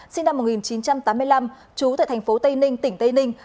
sinh năm một nghìn chín trăm tám mươi năm trú tại tp tây ninh tỉnh tây ninh